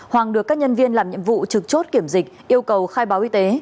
hoàng được các nhân viên làm nhiệm vụ trực chốt kiểm dịch yêu cầu khai báo y tế